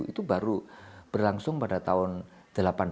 itu baru berlangsung pada tahun delapan puluh an